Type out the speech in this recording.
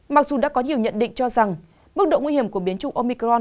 mặc dù đã có nhiều nhận định cho rằng mức độ nguy hiểm của biến chủng omicron